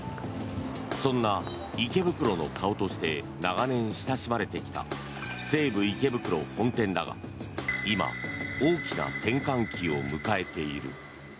そんな池袋の顔として長年、親しまれてきた西武池袋本店だが今、大きな転換期を迎えている。